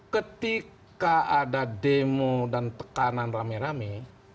ketika ada demo dan tekanan rame rame